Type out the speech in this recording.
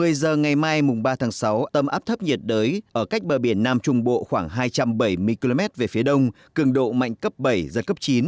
một mươi giờ ngày mai mùng ba tháng sáu tâm áp thấp nhiệt đới ở cách bờ biển nam trung bộ khoảng hai trăm bảy mươi km về phía đông cường độ mạnh cấp bảy giật cấp chín